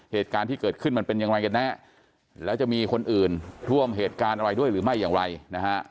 เหตุการณ์ที่เกิดขึ้นมันเป็นอย่างไรกันแน่แล้วจะมีคนอื่นร่วมเหตุการณ์อะไรด้วยหรือไม่อย่างไรนะฮะ